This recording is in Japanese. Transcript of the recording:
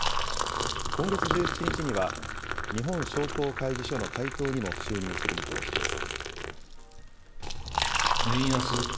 今月１７日には日本商工会議所の会頭にも就任する見通しです。